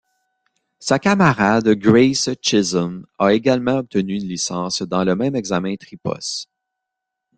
Sa camarade Grace Chisholm a également obtenu une licence dans le même examen Tripos.